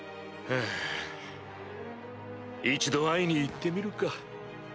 フゥ一度会いに行ってみるか。